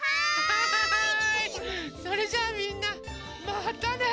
それじゃあみんなまたね！